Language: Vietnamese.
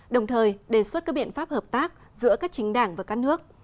đồng thời đề xuất các biện pháp hợp tác giữa các chính đảng và các nước